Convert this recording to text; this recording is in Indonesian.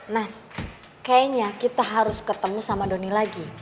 mas kayaknya kita harus ketemu sama doni lagi